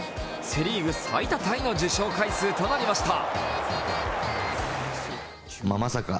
セ・リーグ最多タイの受賞回数となりました。